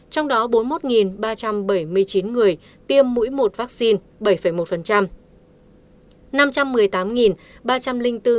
trong đó bốn mươi một ba trăm bảy mươi chín người tiêm mũi một vaccine bảy một